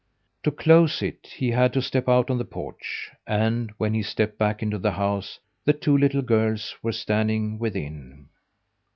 To close it, he had to step out on the porch, and, when he stepped back into the house, the two little girls were standing within.